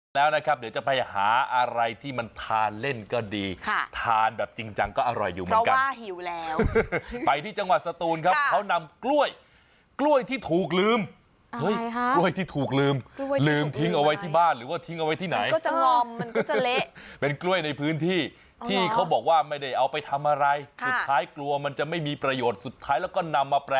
แล้วนะครับเดี๋ยวจะไปหาอะไรที่มันทานเล่นก็ดีทานแบบจริงจังก็อร่อยอยู่เหมือนกันหิวแล้วไปที่จังหวัดสตูนครับเขานำกล้วยกล้วยที่ถูกลืมเฮ้ยกล้วยที่ถูกลืมลืมทิ้งเอาไว้ที่บ้านหรือว่าทิ้งเอาไว้ที่ไหนเป็นกล้วยในพื้นที่ที่เขาบอกว่าไม่ได้เอาไปทำอะไรสุดท้ายกลัวมันจะไม่มีประโยชน์สุดท้ายแล้วก็นำมาแปร